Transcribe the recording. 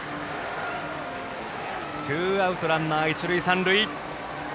ツーアウトランナー、一塁三塁。